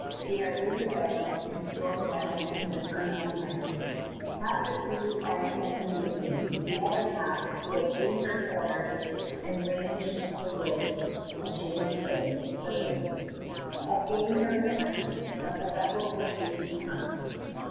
They are winter bound and storm bound in an unknown land. Half the crew are in open mutiny; the other half build winter quarters and range the woods of James Bay for game. Of game there is plenty, but the rebels refuse to hunt.